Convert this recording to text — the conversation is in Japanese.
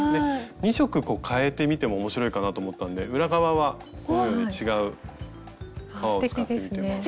２色かえてみても面白いかなと思ったんで裏側はこのように違う革を使ってみてます。